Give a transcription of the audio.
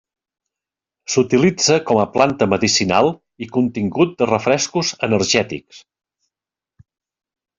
S'utilitza com a planta medicinal i contingut de refrescos energètics.